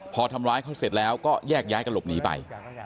พอทำร้ายเขาเสร็จแล้วก็แยกย้ายกันหลบหนีไป